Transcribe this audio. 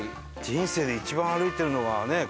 人生で一番歩いてるのがねえ